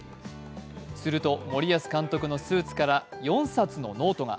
すると、森保監督のスーツから４冊のノートが。